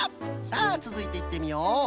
さあつづいていってみよう！